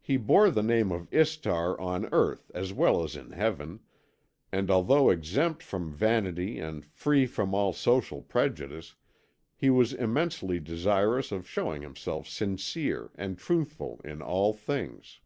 He bore the name of Istar on earth as well as in Heaven, and although exempt from vanity and free from all social prejudice, he was immensely desirous of showing himself sincere and truthful in all things.